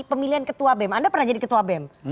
pemilihan ketua bem anda pernah jadi ketua bem